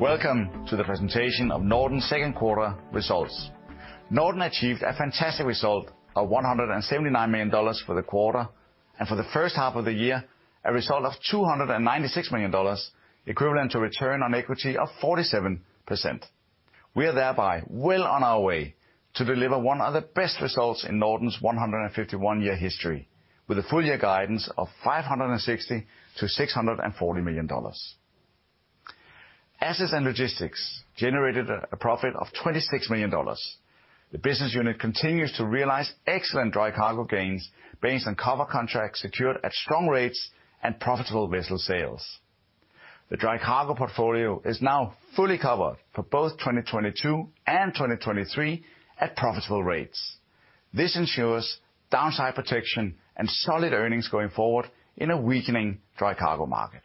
Welcome to the presentation of Norden's Q2 results. Norden achieved a fantastic result of $179 million for the quarter, and for the first half of the year, a result of $296 million, equivalent to return on equity of 47%. We are thereby well on our way to deliver one of the best results in Norden's 151-year history, with a full-year guidance of $560-640 million. Assets & Logistics generated a profit of $26 million. The business unit continues to realize excellent dry cargo gains based on cover contracts secured at strong rates and profitable vessel sales. The dry cargo portfolio is now fully covered for both 2022 and 2023 at profitable rates. This ensures downside protection and solid earnings going forward in a weakening dry cargo market.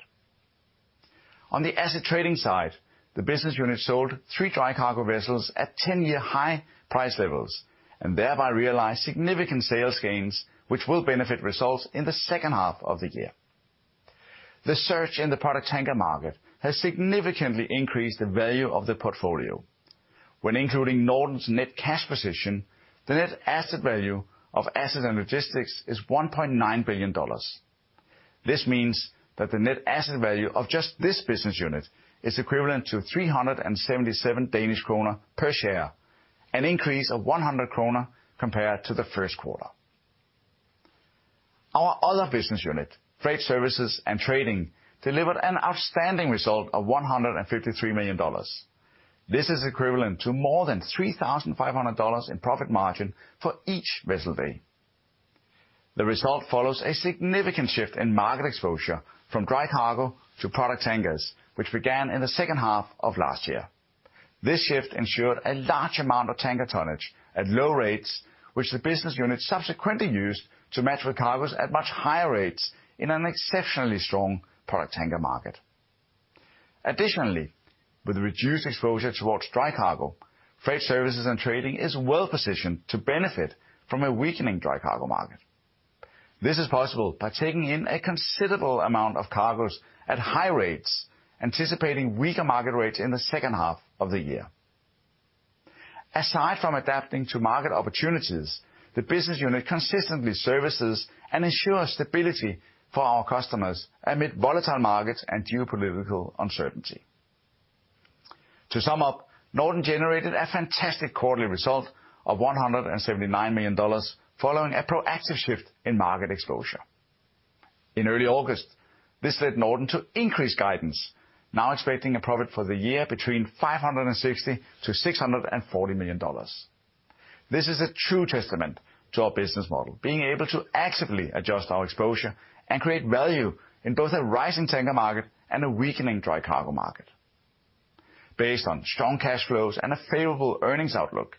On the asset trading side, the business unit sold three dry cargo vessels at 10-year high price levels and thereby realized significant sales gains, which will benefit results in the second half of the year. The surge in the product tanker market has significantly increased the value of the portfolio. When including Norden's net cash position, the net asset value of Assets & Logistics is $1.9 billion. This means that the net asset value of just this business unit is equivalent to 377 Danish kroner per share, an increase of 100 kroner compared to Q1. Our other business unit, Freight Services & Trading, delivered an outstanding result of $153 million. This is equivalent to more than $3,500 in profit margin for each vessel day. The result follows a significant shift in market exposure from dry cargo to product tankers, which began in the second half of last year. This shift ensured a large amount of tanker tonnage at low rates, which the business unit subsequently used to match with cargos at much higher rates in an exceptionally strong product tanker market. Additionally, with reduced exposure towards dry cargo, Freight Services & Trading is well positioned to benefit from a weakening dry cargo market. This is possible by taking in a considerable amount of cargoes at high rates, anticipating weaker market rates in the second half of the year. Aside from adapting to market opportunities, the business unit consistently services and ensures stability for our customers amid volatile markets and geopolitical uncertainty. To sum up, Norden generated a fantastic quarterly result of $179 million following a proactive shift in market exposure. In early August, this led Norden to increase guidance, now expecting a profit for the year between $560-640 million. This is a true testament to our business model being able to actively adjust our exposure and create value in both a rising tanker market and a weakening dry cargo market. Based on strong cash flows and a favorable earnings outlook,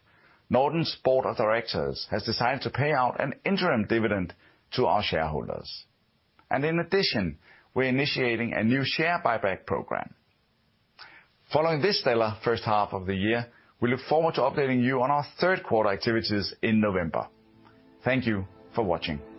Norden's board of directors has decided to pay out an interim dividend to our shareholders. In addition, we're initiating a new share buyback program. Following this stellar first half of the year, we look forward to updating you on our Q3 activities in November. Thank you for watching.